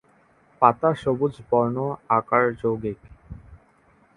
পাতা সবুজ বর্ণ, আকার যৌগিক।